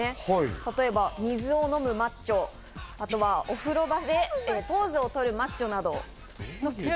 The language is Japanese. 例えば水を飲むマッチョ、お風呂場でポーズをとるマッチョなど。